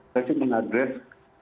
saya cuman mengadres